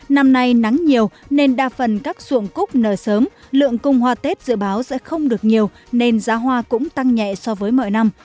năm nay nắng nhiều nên đa phần các ruộng cúc nở sớm lượng cung hoa tết dự báo sẽ không được nhiều nên giá hoa cũng tăng nhẹ so với mọi năm